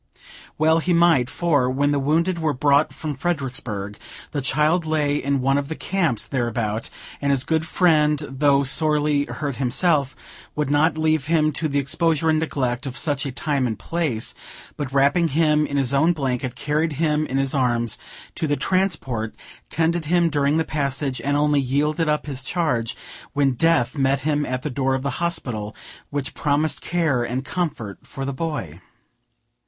Well he might; for, when the wounded were brought from Fredericksburg, the child lay in one of the camps thereabout, and this good friend, though sorely hurt himself, would not leave him to the exposure and neglect of such a time and place; but, wrapping him in his own blanket, carried him in his arms to the transport, tended him during the passage, and only yielded up his charge when Death met him at the door of the hospital which promised care and comfort for the boy.